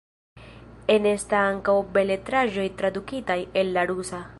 Enestas ankaŭ beletraĵoj tradukitaj el la rusa.